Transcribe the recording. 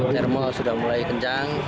termal sudah mulai kencang